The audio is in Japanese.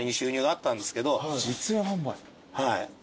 はい。